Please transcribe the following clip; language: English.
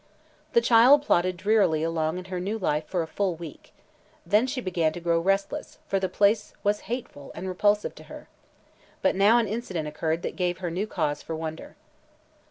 The child plodded drearily along in her new life for a full week. Then she began to grow restless, for the place was hateful and repulsive to her. But now an incident occurred that gave her new cause for wonder.